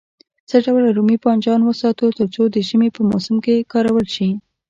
څه ډول رومي بانجان وساتو تر څو د ژمي په موسم کې کارول شي.